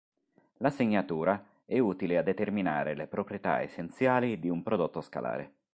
La segnatura è utile a determinare le proprietà essenziali di un prodotto scalare.